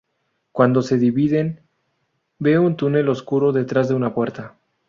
Cuando se dividen, ven un túnel oscuro detrás de una puerta.